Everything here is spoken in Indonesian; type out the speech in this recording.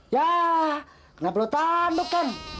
yah kenapa lu tanduk ken